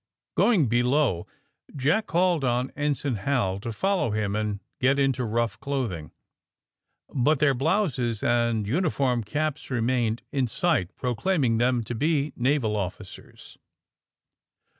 Going below Jack called to Ensign Hal to follow him and get into rough clothing. But their blouses and uniform caps remained in sight, proclaiming them to be naval officers.